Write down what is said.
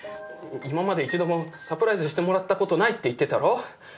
今まで一度もサプライズしてもらったことないって言ってたろ？